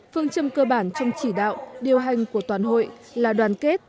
phương châm cơ bản trong chỉ đạo điều hành của toàn hội là đoàn kết